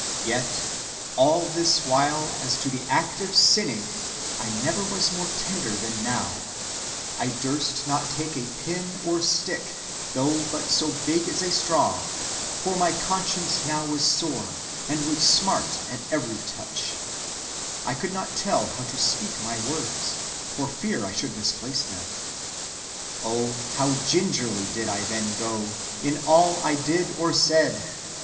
[Yet] all this while as to the act of sinning, I never was more tender than now; I durst not take a pin or stick, though but so big as a straw, for my conscience now was sore, and would smart at every touch; I could not tell how to speak my words, for fear I should misplace them. Oh, how gingerly did I then go, in all I did or said!